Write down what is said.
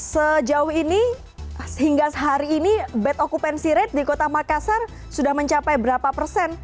sejauh ini sehingga hari ini bed occupancy rate di kota makassar sudah mencapai berapa persen